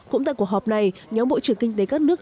cũng tại cuộc họp này nhóm bộ trưởng kinh tế các nước